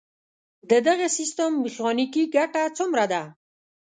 د دغه سیستم میخانیکي ګټه څومره ده؟